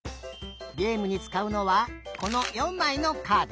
げえむにつかうのはこの４まいのカード。